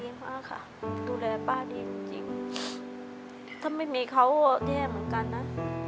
มากค่ะดูแลป้าดีจริงถ้าไม่มีเขาก็แย่เหมือนกันนะ